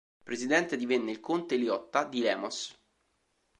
Presidente divenne il conte Liotta di Lemos.